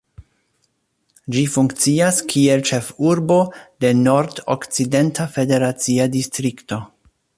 Ĝi funkcias kiel ĉefurbo de Nordokcidenta federacia distrikto.